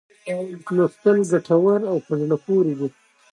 لوستل ګټور او په زړه پوري دي.